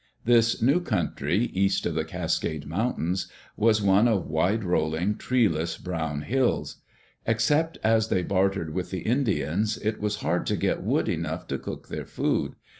This new country, east of the Cascade Mountains, was one of wide rolling, treeless brown hills. Except as they bartered with the Indians, it was hard to get wood enough to cook their food.